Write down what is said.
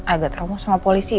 agak terlalu sama polisi